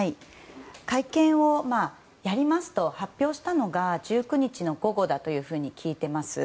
会見をやりますと発表したのが１９日の午後だと聞いています。